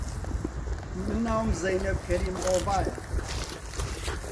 من ناوم زێنەب کەریم ئۆڤایە